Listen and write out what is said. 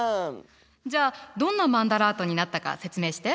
じゃあどんなマンダラートになったか説明して。